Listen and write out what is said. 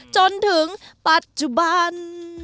จนถึงปัจจุบัน